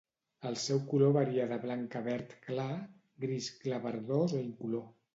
El seu color varia de blanc a verd clar, gris clar verdós o incolor.